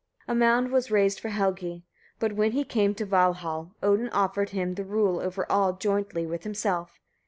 A mound was raised for Helgi; but when he came to Valhall, Odin offered him the rule over all jointly with himself.